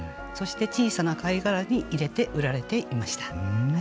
そして小さな貝殻に入れて売られていました。